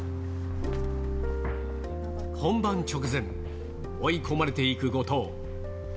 本番直前、追い込まれていく後藤。